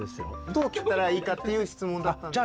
どう切ったらいいかっていう質問だったんですけど。